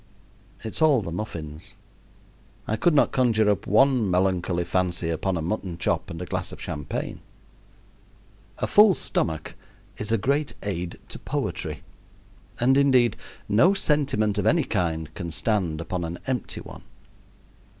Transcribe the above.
It's all the muffins. I could not conjure up one melancholy fancy upon a mutton chop and a glass of champagne. A full stomach is a great aid to poetry, and indeed no sentiment of any kind can stand upon an empty one.